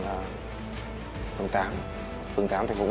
đã khoanh vùng nhà nghỉ đấy